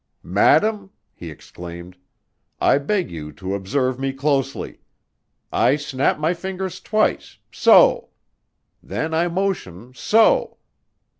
"Madame," he exclaimed, "I beg you to observe me closely. I snap my fingers twice, so! Then I motion, so!